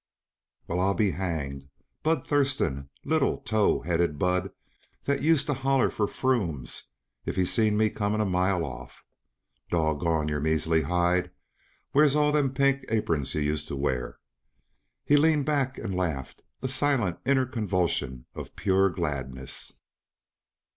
"Well, I'll be hanged! Bud Thurston little, tow headed Bud that used to holler for 'frumes' if he seen me coming a mile off. Doggone your measly hide, where's all them pink apurns yuh used to wear?" He leaned back and laughed a silent, inner convulsion of pure gladness.